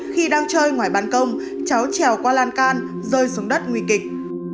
khi đang chơi ngoài bàn công cháu trèo qua lan can rơi xuống đất nguy kịch